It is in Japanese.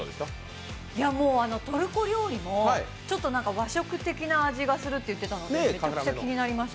トルコ料理も和食的な味がするって言ってたのでめちゃめちゃ気になりました。